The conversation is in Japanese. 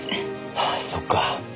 ああそっか。